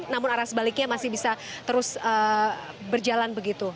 namun arah sebaliknya masih bisa terus berjalan begitu